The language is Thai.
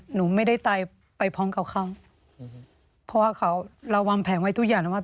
หนูไม่ได้ตายไปพร้อมกับเขาเพราะว่าเขาเราวางแผงไว้ทุกอย่างนะว่า